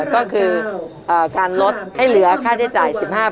ก็คือการลดให้เหลือค่าใช้จ่าย๑๕บาท